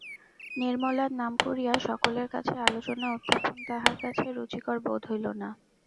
নির্মলার নাম করিয়া সকলের কাছে আলোচনা উত্থাপন তাহার কাছে রুচিকর বোধ হইল না।